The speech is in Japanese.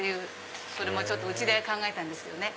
それもうちで考えたんです。